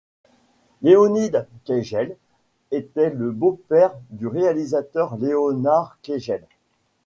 Léonide Keigel était le beau-père du réalisateur Léonard Keigel.